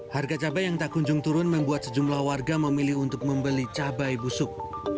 harga cabai yang tak kunjung turun membuat sejumlah warga memilih untuk membeli cabai busuk